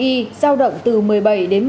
giao động từ một mươi bảy đến một trăm năm mươi